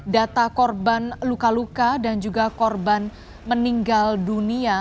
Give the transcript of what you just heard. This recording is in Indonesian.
data korban luka luka dan juga korban meninggal dunia